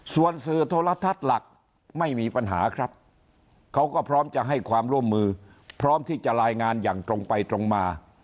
ส่วนสื่อโทรทัศน์หลักไม่มีปัญหาครับเขาก็พร้อมจะให้ความร่วมมือพร้อมที่จะรายงานอย่างตรงไปตรงมา